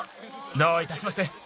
どういたしまして。